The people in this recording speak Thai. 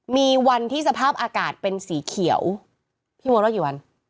มีวันที่สภาพอากาศเป็นสีเขียวพี่มดว่ากี่วัน